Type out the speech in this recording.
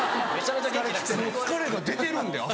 疲れが出てるんで朝。